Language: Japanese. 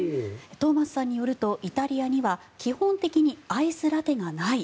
トーマスさんによるとイタリアには基本的にアイスラテがない。